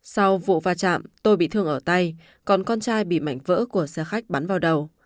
sau vụ va chạm tôi bị thương ở tay còn con trai bị mảnh vỡ của xe khách bắn vào đầu